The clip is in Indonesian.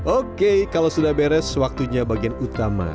oke kalau sudah beres waktunya bagian utama